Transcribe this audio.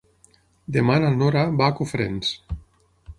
Demà na Nora va a Cofrents.